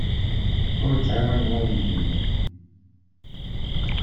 Ur ttɛawanen igellilen.